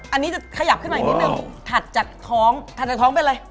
อันนี้จะขยับขึ้นมาอีกนิดนึงถัดจากท้องถัดจากท้องไปเลย